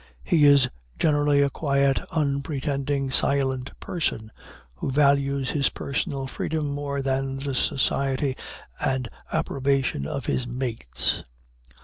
He is generally a quiet, unpretending, silent person, who values his personal freedom more than the society and approbation of his mates.